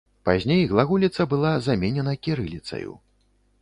Пазней глаголіца была заменена кірыліцаю.